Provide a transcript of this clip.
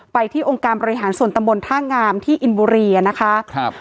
ไปที่องค์การบริหารส่วนตำบลท่างามที่อินบุรีอ่ะนะคะครับ